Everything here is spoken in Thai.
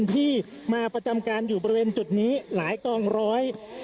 ที่มาประจำการอยู่บริเวณจุดนี้หลายกองร้อย